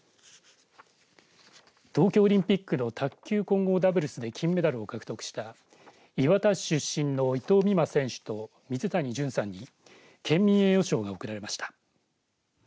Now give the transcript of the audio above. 東京オリンピックの卓球混合ダブルスで金メダルを獲得した磐田市出身の伊藤美誠選手と水谷隼さんに県民栄誉賞が贈られました。